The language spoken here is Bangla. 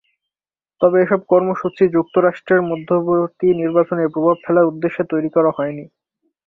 তবে এসব কর্মসূচি যুক্তরাষ্ট্রের মধ্যবর্তী নির্বাচনে প্রভাব ফেলার উদ্দেশ্য তৈরি করা হয়নি।